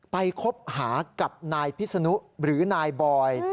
คบหากับนายพิศนุหรือนายบอย